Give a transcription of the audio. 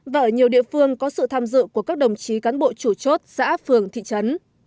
và ở nhiều địa phương có sự tham dự của các đồng chí cán bộ chủ chốt xã phường thị trấn